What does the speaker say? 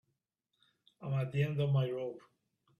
I'm at the end of my rope.